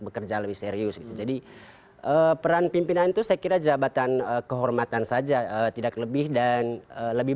bekerja lebih serius gitu jadi peran pimpinan itu saya kira jabatan kehormatan saja tidak lebih dan lebih